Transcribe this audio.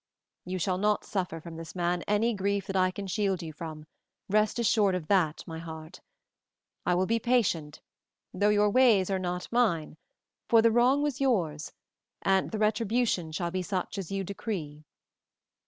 "You shall not suffer from this man any grief that I can shield you from, rest assured of that, my heart. I will be patient, though your ways are not mine, for the wrong was yours, and the retribution shall be such as you decree."